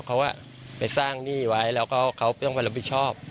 เขาว่าไปสร้างหนี้ไว้แล้วก็เขาต้องควรรับบิโชป